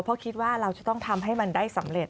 เพราะคิดว่าเราจะต้องทำให้มันได้สำเร็จ